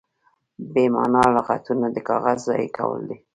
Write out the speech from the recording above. بې مانا لغتونه د کاغذ ضایع کول دي.